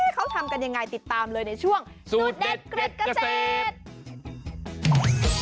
เขาทำกันยังไงติดตามเลยในช่วงสูตรเด็ดเกร็ดเกษตร